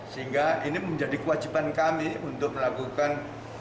sehingga ini menjadi kewajiban kami untuk melakukan